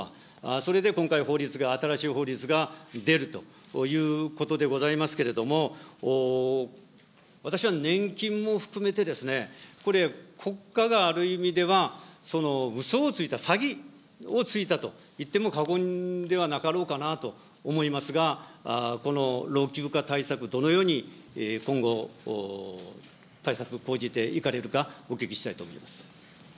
それで今回、法律が、新しい法律が出るということでございますけれども、私は年金も含めてこれ、国家がある意味では、うそをついた、詐欺をついたといっても過言ではなかろうかなと思いますが、この老朽化対策、どのように今後、対策講じていかれるか、お聞きしたいと思います。